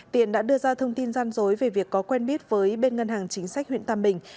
tiền đã đưa ra thông tin gian dối về việc có quen biết với bên ngân hàng chính sách huyện tam bình